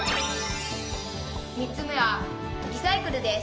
「３つ目はリサイクルです。